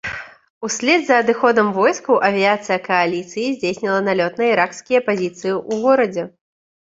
Услед за адыходам войскаў авіяцыя кааліцыі здзейсніла налёт на іракскія пазіцыі ў горадзе.